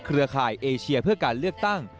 ร่ายเอเชียเพื่อการเลือกตั้ง